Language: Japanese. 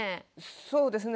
そうですね